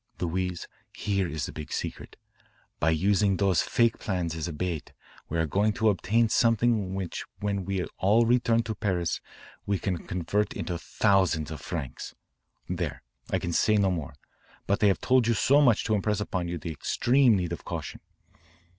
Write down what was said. Louise, here is the big secret. By using those fake plans as a bait we are going to obtain something which when we all return to Paris we can convert into thousands of francs. There, I can say no more. But I have told you so much to impress upon you the extreme need of caution."